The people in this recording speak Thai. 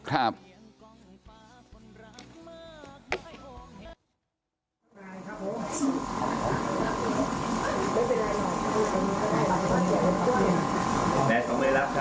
แม่ของในรักค่ะดูเลยค่ะ